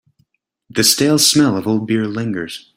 The stale smell of old beer lingers.